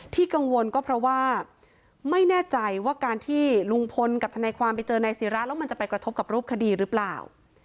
กังวลก็เพราะว่าไม่แน่ใจว่าการที่ลุงพลกับทนายความไปเจอนายศิราแล้วมันจะไปกระทบกับรูปคดีหรือเปล่า